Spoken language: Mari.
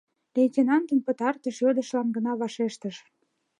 Лейтенантын пытартыш йодышыжлан гына вашештыш: